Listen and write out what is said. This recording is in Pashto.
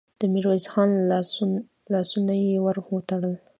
د ميرويس خان لاسونه يې ور وتړل.